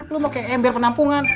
lu mau kayak ember penampungan